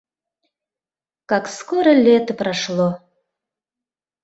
Как скоро лето прошло...